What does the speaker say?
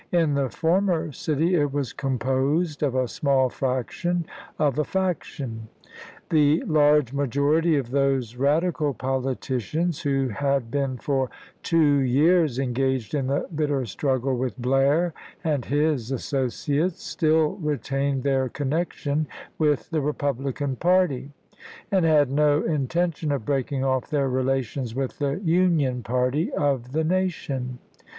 In the former city it was composed of a small fraction of a faction. The 30 ABKAHAM LINCOLN chap. ii. large majority of those radical politicians who had been for two years engaged in the bitter struggle with Blair and his associates still retained their connection with the Bepublican party, and had no intention of breaking off their relations with the Union party of the nation.